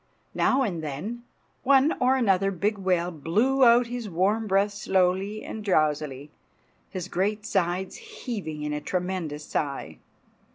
Now and then one or another big whale blew out his warm breath slowly and drowsily, his great sides heaving in a tremendous sigh.